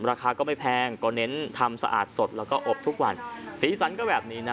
ราคาก็ไม่แพงก็เน้นทำสะอาดสดแล้วก็อบทุกวันสีสันก็แบบนี้นะ